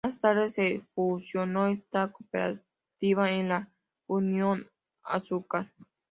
Más tarde se fusionó esta cooperativa en la Unión azúcar.